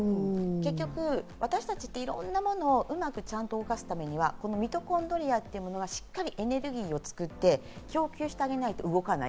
私たちっていろんなものをちゃんと動かすためにミトコンドリアというものはしっかりエネルギーを作って、供給してあげないと動かない。